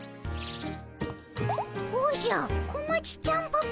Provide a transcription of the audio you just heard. おじゃ小町ちゃんパパ